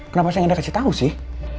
kenapa saya nggak kasih tahu sih